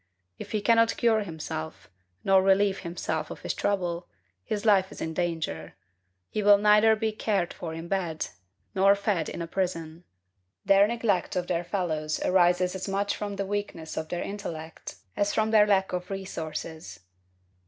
If he cannot cure himself, nor relieve himself of his trouble, his life is in danger: he will neither be cared for in bed, nor fed in a prison. Their neglect of their fellows arises as much from the weakness of their intellect as from their lack of resources.